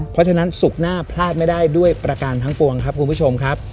เพราะฉะนั้นศุกร์หน้าพลาดไม่ได้ด้วยประการทั้งปวงครับคุณผู้ชมครับ